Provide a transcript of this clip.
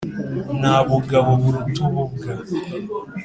Nta bugabo buruta ububwa.